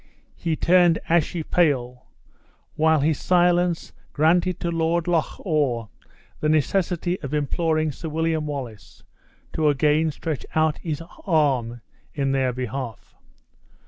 He turned ashy pale, while his silence granted to Lord Loch awe the necessity of imploring Sir William Wallace to again stretch out his arm in their behalf.